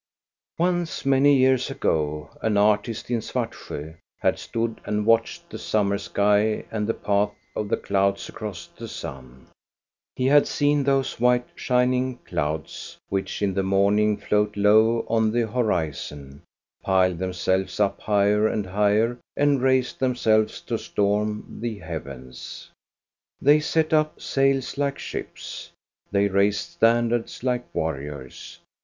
Once, many years ago, an artist in Svartsjo had stood and watched the summer sky and the path of the clouds across the sun. He had seen those white, shining clouds, which in the morning float low on the horizon, pile themselves up higher and higher and raise themselves to storm the heavens. They set up sails like ships. They raised standards like warriors.